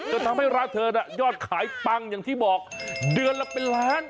จนทำให้ร้านเธอน่ะยอดขายปังอย่างที่บอกเดือนละเป็นล้าน